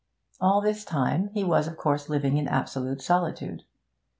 All this time he was of course living in absolute solitude.